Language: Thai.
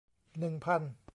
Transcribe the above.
หนึ่งพัน